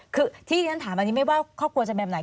คือที่ฉันถามอันนี้ไม่ว่าครอบครัวจะเป็นแบบไหน